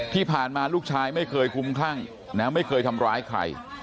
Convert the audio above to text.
ที่ผ่านมาลูกชายไม่เคยคุ้มคลั่งนะไม่เคยทำร้ายใคร